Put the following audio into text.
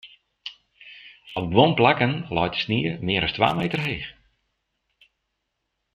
Op guon plakken leit de snie mear as twa meter heech.